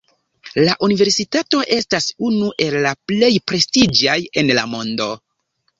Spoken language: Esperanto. La universitato estas unu el la plej prestiĝaj en la mondo.